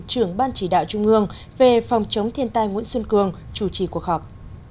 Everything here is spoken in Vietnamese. trưởng ban chỉ đạo trung ương về phòng chống thiên tai nguyễn xuân cường chủ trì cuộc họp